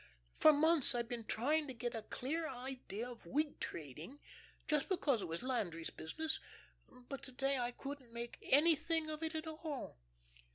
For months I've been trying to get a clear idea of wheat trading, just because it was Landry's business, but to day I couldn't make anything of it at all."